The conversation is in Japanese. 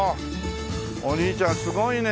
お兄ちゃんすごいね。